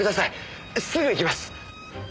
すぐ行きます。